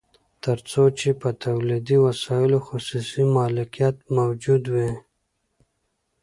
تر څو چې په تولیدي وسایلو خصوصي مالکیت موجود وي